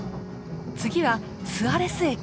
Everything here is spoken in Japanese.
次はスアレス駅。